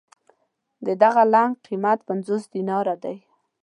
د دغه لنګ قېمت پنځوس دیناره دی.